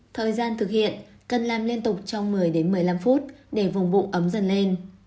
thời gian thực hiện cần làm liên tục trong một mươi một mươi năm phút để vùng bụng ấm dần lên